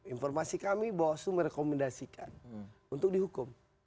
informasi kami bawasu merekomendasikan untuk dihukum